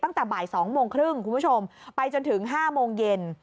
ตั้งแต่บ่าย๒โมงครึ่งคุณผู้ชมไปจนถึง๕โมงเย็น